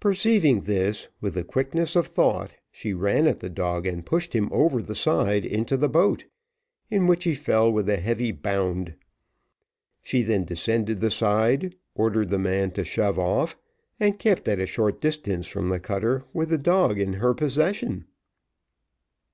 Perceiving this, with the quickness of thought she ran at the dog and pushed him over the side into the boat, in which he fell with a heavy bound; she then descended the side, ordered the man to shove off, and kept at a short distance from the cutter with the dog in her possession.